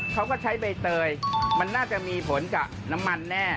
เขาก็ใช้ใบเตยมันน่าจะมีผลกับน้ำมันแน่